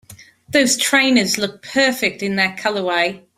Those trainers look perfect in that colorway!